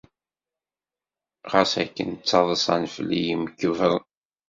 Ɣas akken ttaḍsan fell-i yimkebbren.